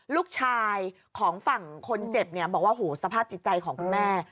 ลูกชายของฝั่งคนเจ็บเนี่ยบอกว่าโหสภาพจิตใจของคุณแม่